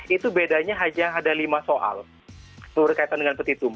itu bedanya hanya ada lima soal berkaitan dengan petitum